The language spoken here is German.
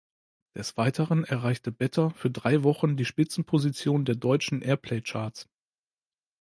Des Weiteren erreichte "Better" für drei Wochen die Spitzenposition der deutschen Airplaycharts.